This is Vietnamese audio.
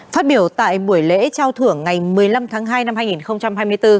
phát biểu tại buổi lễ trao thưởng ngày một mươi năm tháng hai năm hai nghìn hai mươi bốn